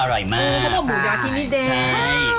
อร่อยมากเค้าต้องหมูย่อที่นี่แดง